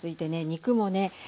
肉もね